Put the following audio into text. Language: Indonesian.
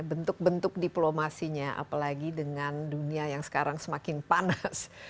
bentuk bentuk diplomasinya apalagi dengan dunia yang sekarang semakin panas